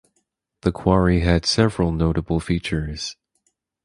The quarry had several notable features.